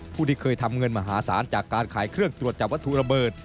ผู้ที่เคยทำเงินมหาศาลจากการขายเครื่องตรวจจับวัตถุระเบิด